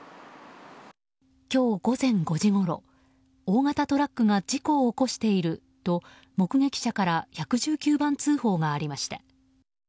今日午前５時ごろ大型トラックが事故を起こしていると目撃者から１１９番通報がありました。